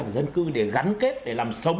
và dân cư để gắn kết để làm sống